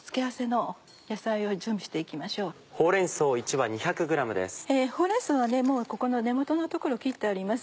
ほうれん草はもうここの根元の所を切ってあります。